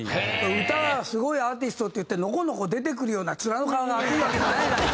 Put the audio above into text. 歌すごいアーティストっていってのこのこ出てくるような面の皮が厚いわけないじゃない。